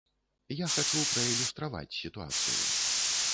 Я хачу праілюстраваць сітуацыю.